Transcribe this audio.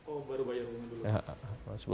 oh baru bayar bunga dulu